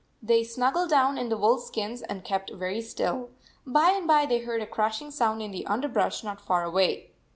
They snuggled down in the wolf skins and kept very still. By and by they heard a crashing sound in the underbrush not far away.